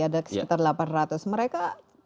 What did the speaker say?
ada sekitar delapan ratus mereka